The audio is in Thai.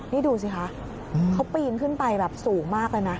นี่ดูสิคะเขาปีนขึ้นไปแบบสูงมากเลยนะ